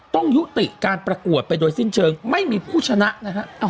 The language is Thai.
ต้องยุติการประกวดไปโดยสิ้นเชิงไม่มีผู้ชนะนะฮะ